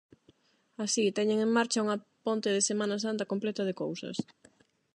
Así, teñen en marcha unha ponte de Semana Santa completa de cousas.